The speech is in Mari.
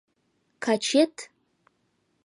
Качет?